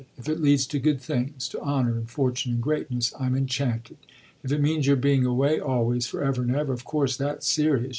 If it leads to good things, to honour and fortune and greatness, I'm enchanted. If it means your being away always, for ever and ever, of course that's serious.